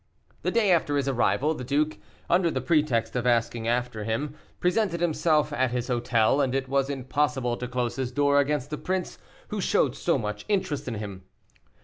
The day after his arrival, the duke, under the pretext of asking after him, presented himself at his hotel, and it was impossible to close his door against a prince who showed so much interest in him.